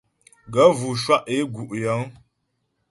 Gaə̂ vʉ shwá' é gú' yəŋ.